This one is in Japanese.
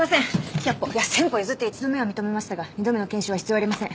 １００歩いや１，０００歩譲って１度目は認めましたが２度目の検証は必要ありません。